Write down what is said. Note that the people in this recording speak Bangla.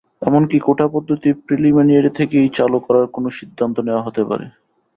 এমনকি কোটাপদ্ধতি প্রিলিমিনারি থেকেই চালু করার কোনো সিদ্ধান্ত নেওয়া হতে পারে।